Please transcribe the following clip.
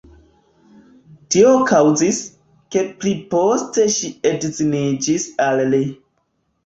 Tio kaŭzis, ke pliposte ŝi edziniĝis al li.